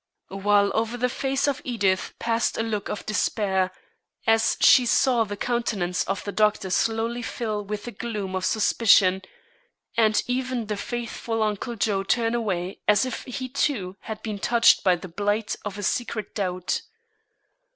while over the face of Edith passed a look of despair, as she saw the countenance of the doctor slowly fill with the gloom of suspicion, and even the faithful Uncle Joe turn away as if he too had been touched by the blight of a secret doubt.